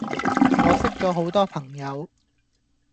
我識左好多朋友